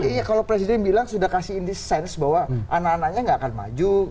iya kalau presiden bilang sudah kasih indi sense bahwa anak anaknya nggak akan maju